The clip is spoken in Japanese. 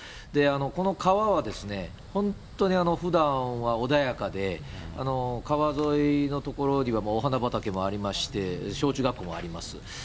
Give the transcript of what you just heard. この川はですね、本当にふだんは穏やかで、川沿いの所にはもうお花畑もありまして、小中学校もあります。